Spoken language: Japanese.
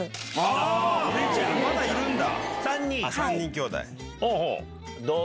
まだいるんだ。